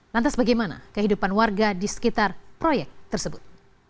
lantas bagaimana kehidupan warga di sekitar proyek tersebut